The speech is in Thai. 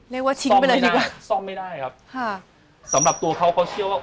เรียกว่าทิ้งไปเลยดีกว่าซ่อมไม่ได้ครับค่ะสำหรับตัวเขาเขาเชื่อว่า